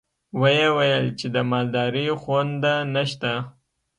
ويې ويل چې د مالدارۍ خونده نشته.